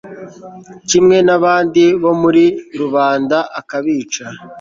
kimwe n'abandi bo muri rubanda akabica